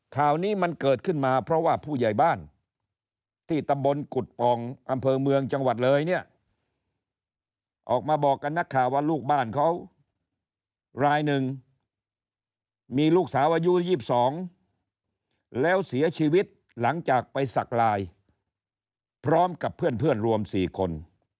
ข่าวนี้มันเกิดขึ้นมาเพราะว่าผู้ใหญ่บ้านที่ตำบลกุฎปองอำเภอเมืองจังหวัดเลยเนี่ยออกมาบอกกับนักข่าวว่าลูกบ้านเขารายหนึ่งมีลูกสาวอายุ๒๒แล้วเสียชีวิตหลังจากไปสักลายพร้อมกับเพื่อนรวม๔คน